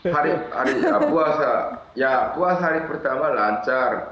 hari hari puasa ya puasa hari pertama lancar